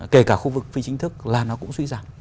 kể cả khu vực phi chính thức là nó cũng suy giảm